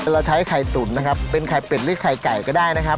เราใช้ไข่ตุ๋นนะครับเป็นไข่เป็ดหรือไข่ไก่ก็ได้นะครับ